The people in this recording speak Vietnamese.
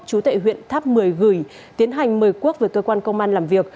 chú tệ huyện tháp một mươi gửi tiến hành mời quốc về cơ quan công an làm việc